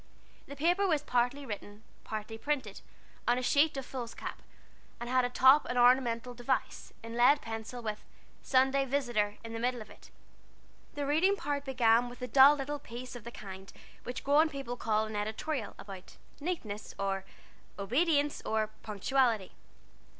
This paper was partly written, partly printed, on a large sheet of foolscap, and had at the top an ornamental device, in lead pencil, with "Sunday Visitor" in the middle of it. The reading part began with a dull little piece of the kind which grown people call an editorial, about "Neatness," or "Obedience," or "Punctuality."